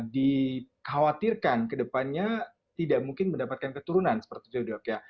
dikhawatirkan kedepannya tidak mungkin mendapatkan keturunan seperti itu dok ya